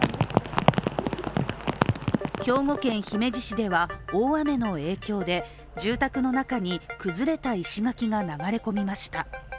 兵庫県姫路市では、大雨の影響で住宅の中に崩れた石垣が流れ込みました。